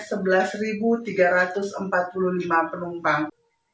ini juga menambahkan sekitar sebelas tiga ratus empat puluh lima penumpang